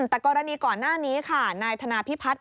แต่กรณีก่อนหน้านี้ค่ะนายธนาพิพัฒน์